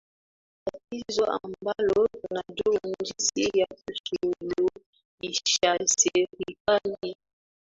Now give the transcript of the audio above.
tatizo ambalo tunajua jinsi ya kusuluhishaSerikali